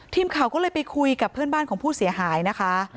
ทีมข่าวก็เลยไปคุยกับเพื่อนบ้านของผู้เสียหายนะคะ